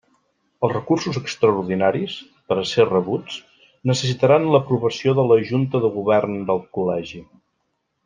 Els recursos extraordinaris, per a ser rebuts, necessitaran l'aprovació de la Junta de Govern del Col·legi.